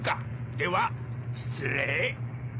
では失礼。